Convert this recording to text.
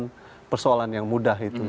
bukan persoalan yang mudah itu